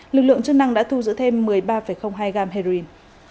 lực lượng chức năng đã thu giữ thêm một mươi ba hai gam heroin